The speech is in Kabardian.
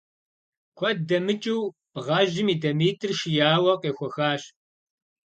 Куэд дэмыкӀыу бгъэжьым и дамитӀыр шияуэ къехуэхащ.